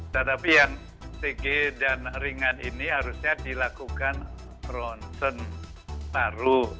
tetapi yang tg dan ringan ini harusnya dilakukan ronsen taruh